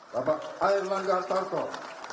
bapak air langga tarto